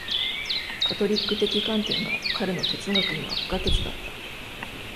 カトリック的観点が彼の哲学には不可欠だった。